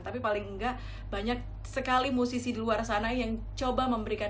tapi paling enggak banyak sekali musisi di luar sana yang coba memberikan